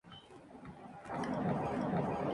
Fue el primer portero del Futbol Club Barcelona.